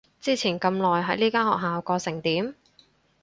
之前咁耐喺呢間學校過成點？